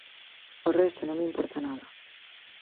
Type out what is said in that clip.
O resto non me importa nada.